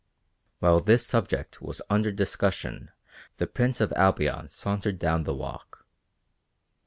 While this subject was under discussion the Prince of Albion sauntered down the walk.